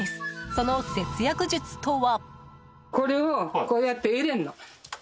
その節約術とは？